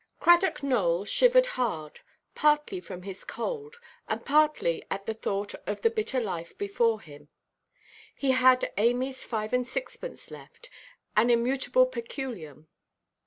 Cradock Nowell shivered hard, partly from his cold, and partly at the thought of the bitter life before him. He had Amyʼs five and sixpence left, an immutable peculium.